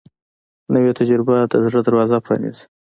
نوې تجربه د زړه دروازه پرانیزي